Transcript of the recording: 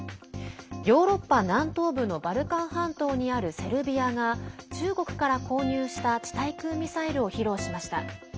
ヨーロッパ南東部のバルカン半島にあるセルビアが中国から購入した地対空ミサイルを披露しました。